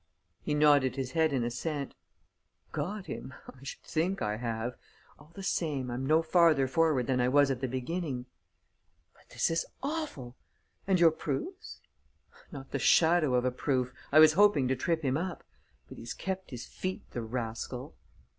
He nodded his head in assent: "Got him? I should think I have! All the same, I'm no farther forward than I was at the beginning." "But this is awful! And your proofs?" "Not the shadow of a proof ... I was hoping to trip him up. But he's kept his feet, the rascal!"